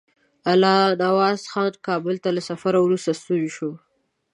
الله نواز خان کابل ته له سفر وروسته ستون شو.